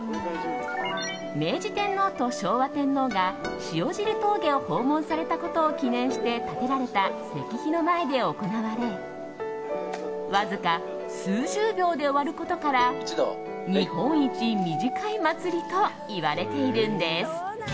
明治天皇と昭和天皇が塩尻峠を訪問されたことを記念して建てられた石碑の前で行われわずか数十秒で終わることから日本一短い祭りといわれているんです。